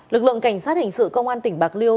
lực lượng cảnh sát hình sự công an tỉnh bạc liêu